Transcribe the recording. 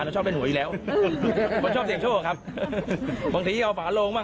เราก็เลยเราก็ตั้ง๕๕๐มา